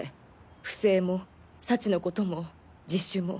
不正も幸のことも自首も。